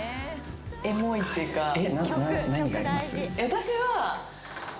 私は。